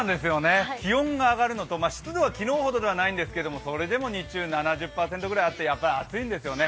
気温が上がるのと、湿度は昨日ほどではないんですけど、それでも日中７０％ぐらいあって暑いんですよね。